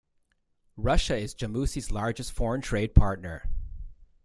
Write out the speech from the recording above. Russia is Jamusi's largest foreign trade partner.